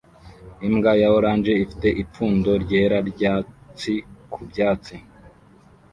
Imbwa ya orange ifite ipfundo ryera ryatsi ku byatsi